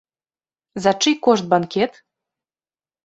За чый кошт банкет?